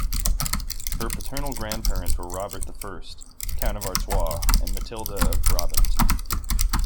Her paternal grandparents were Robert the First, Count of Artois, and Matilda of Brabant.